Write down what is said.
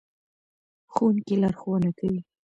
ښوونکي لارښوونه کوي.